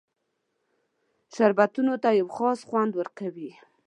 شربتونو ته یو خاص خوند ورکوي.